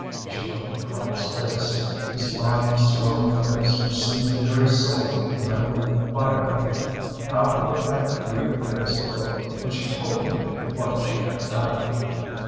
She looked at Karl's face his fine, strong face which seemed the very soul of the mellow fire light. How would that dear face look when she told him what she had done?